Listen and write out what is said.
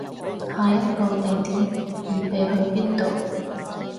下一個地點預備去邊度